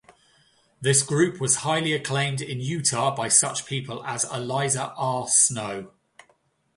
This group was highly acclaimed in Utah by such people as Eliza R. Snow.